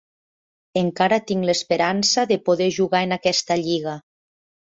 Encara tinc l'esperança de poder jugar en aquesta lliga.